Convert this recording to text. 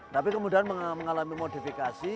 tapi kemudian mengalami modifikasi